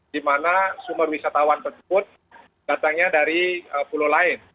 dimana sumber wisatawan tersebut datangnya dari pulau lain